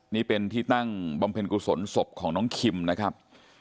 นี่เป็นที่ตั้งบำเพ็ญกุศลศพของน้องคิมนะครับ